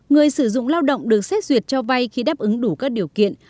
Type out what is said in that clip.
người sử dụng lao động được xét duyệt cho vay khi đáp ứng đủ các điều kiện